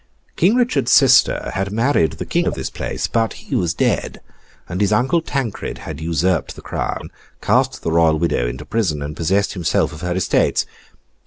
King Richard's sister had married the King of this place, but he was dead: and his uncle Tancred had usurped the crown, cast the Royal Widow into prison, and possessed himself of her estates.